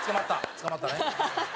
捕まったね。